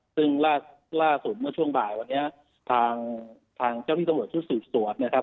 ซึ่งล่าสุดเมื่อช่วงบ่ายวันนี้ทางทางเจ้าที่ตำรวจชุดสืบสวนนะครับ